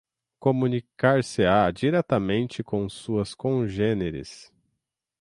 comunicar-se-á diretamente com suas congêneres